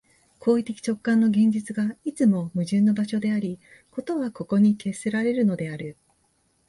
行為的直観の現実が、いつも矛盾の場所であり、事はここに決せられるのである。